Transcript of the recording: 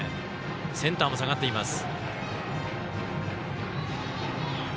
センターも下がっています。